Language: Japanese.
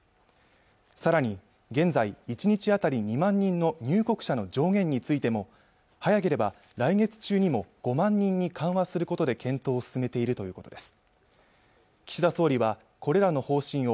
さらに現在１日あたり２万人の入国者の上限についても早ければ来月中にも５万人に緩和することで検討を進めているということです